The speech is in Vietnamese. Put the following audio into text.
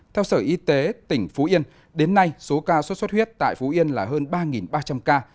theo sở y tế tỉnh phú yên đến nay số ca xuất xuất huyết tại phú yên là hơn ba ba trăm linh ca